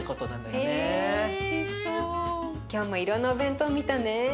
今日もいろんなお弁当見たね。